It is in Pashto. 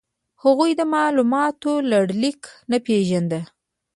هغوی د مالوماتو لړلیک نه پېژانده.